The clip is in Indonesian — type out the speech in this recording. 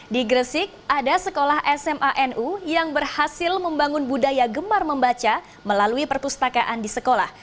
di gresik ada sekolah sma nu yang berhasil membangun budaya gemar membaca melalui perpustakaan di sekolah